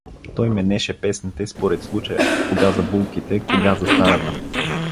Той менеше песните според случая — кога за булките, кога за старата.